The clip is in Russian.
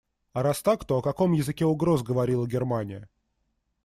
А раз так, то о каком языке угроз говорила Германия?